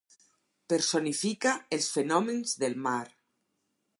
Personifica els fenòmens del mar.